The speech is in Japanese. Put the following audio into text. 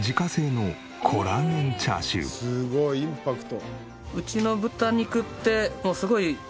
これがすごいインパクト。